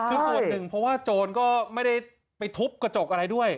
คือส่วนหนึ่งเพราะว่าโจรก็ไม่ได้ไปทุบกระจกอะไรด้วย